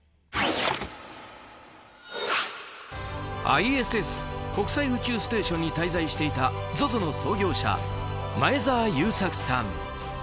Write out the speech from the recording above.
ＩＳＳ・国際宇宙ステーションに滞在していたＺＯＺＯの創業者、前澤友作さん。